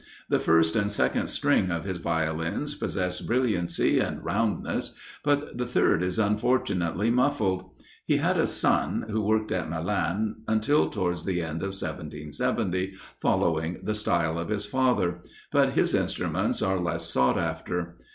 The first and second string of his Violins possess brilliancy and roundness, but the third is unfortunately muffled. He had a son, who worked at Milan until towards the end of 1770, following the style of his father; but his instruments are less sought after.